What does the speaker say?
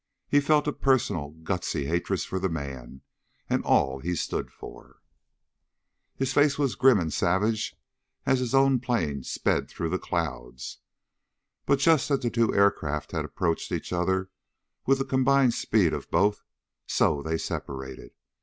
He felt a personal, gusty hatred for the man and all he stood for. His face was grim and savage as his own plane sped through the clouds. But just as the two aircraft had approached each other with the combined speed of both, so they separated.